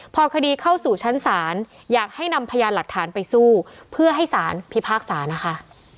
พอคดีเข้าสู่ชั้นศาลอยากให้นำพยานหลักฐานไปสู้เพื่อให้สารพิพากษานะคะ